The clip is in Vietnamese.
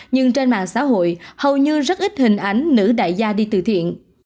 nhưng trên mạng xã hội hầu như rất ít hình ảnh nữ đại gia đi từ thiện